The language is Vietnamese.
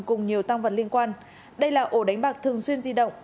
cùng nhiều tăng vật liên quan đây là ổ đánh bạc thường xuyên di động